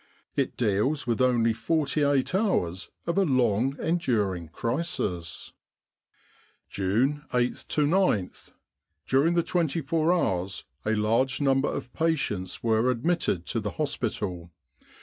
It deals with only 48 hours of a long en during crisis : "June 8th Qth. During the twenty four hours a large number of patients were admitted to the hospital.